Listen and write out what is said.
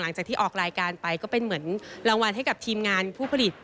หลังจากที่ออกรายการไปก็เป็นเหมือนรางวัลให้กับทีมงานผู้ผลิต